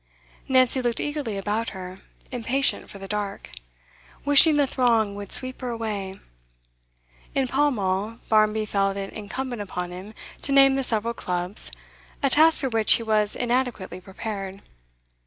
Nancy looked eagerly about her, impatient for the dark, wishing the throng would sweep her away. In Pall Mall, Barmby felt it incumbent upon him to name the several clubs, a task for which he was inadequately prepared.